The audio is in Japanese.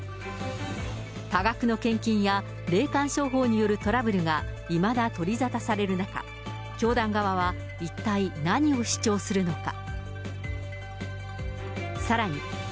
多額の献金や霊感商法によるトラブルがいまだ取り沙汰される中、教団側は一体何を主張するのか。